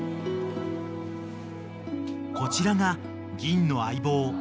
［こちらがぎんの相棒］